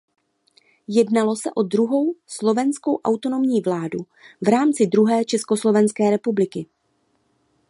Jednalo se o druhou slovenskou autonomní vládu v rámci druhé československé republiky.